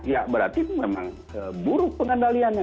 ya berarti itu memang buruk pengendaliannya